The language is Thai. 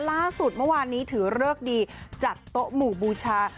ล่าสุดเมื่อวานนี้ถือเลิกดีจัดโต๊ะหมู่บูชา